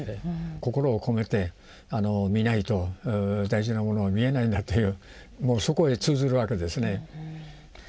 心を込めて見ないと大事なものは見えないんだというもうそこへ通ずるわけですね。